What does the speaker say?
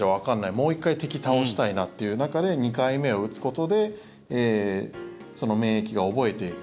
もう１回敵、倒したいなという中で２回目を打つことでその免疫が覚えていく。